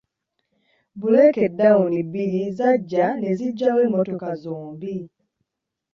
Bbuleeke dawuni bbiri zajja ne zijjawo emmotoka zombi.